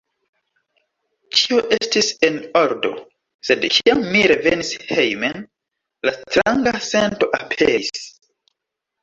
Ĉio estis en ordo, sed kiam mi revenis hejmen, la stranga sento aperis.